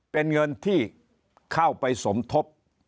เป็นเงินที่เข้าไปสมทบ